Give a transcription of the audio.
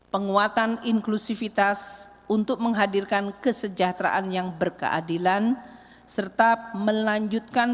penguatan inklusivitas untuk menghadirkan kesejahteraan yang berkeadilan serta melanjutkan